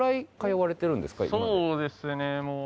そうですねもう